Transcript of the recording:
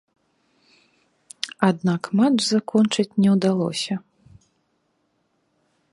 Аднак матч закончыць не ўдалося.